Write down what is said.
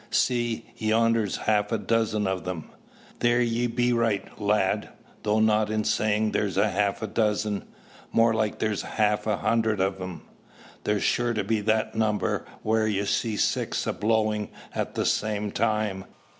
"See, yonder's half a dozen of them!" "Theer ye be right, lad, though not in sayin' there's half a dozen. More like there be half a hundred o' 'em. There's sure to be that number, whar you see six a blowin' at the same time.